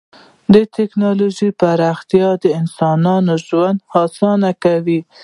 د ټکنالوژۍ پراختیا د انسانانو ژوند اسانه کوي.